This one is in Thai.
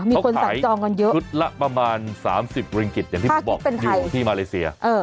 มีคนสายจองกันเยอะต้องขายทุศละประมาณ๓๐ริงกิตอย่างที่บอกอยู่ที่มาเลเซียถ้าคิดเป็นไทย